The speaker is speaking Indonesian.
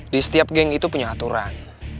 di setiap geng itu punya aturan